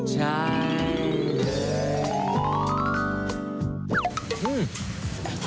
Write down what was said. ใช่